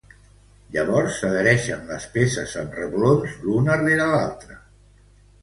Llavors s'adhereixen les peces amb reblons l'una rere l'altra.